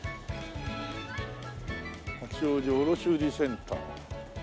八王子卸売センター。